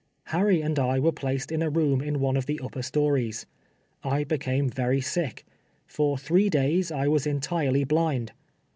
Har ry and I were placed in a room in one of the upper stories. I became very sick. For three days I was entirely blind.